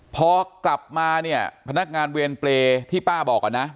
พอกลับมาเนี่ยพนักงานเวรเปรย์ที่ป้าบอกนะ